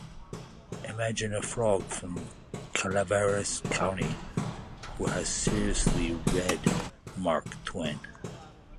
Imagine a frog from Calaveras County who has seriously read Mark Twain.